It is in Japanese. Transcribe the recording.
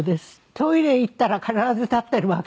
トイレ行ったら必ず立ってるわけですよ。